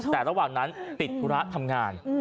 แต่ระหว่างนั้นติดธุระทำงาน